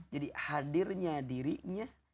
jadi hadirnya dirinya